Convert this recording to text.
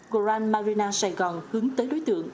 grand marina sài gòn hướng tới đối tượng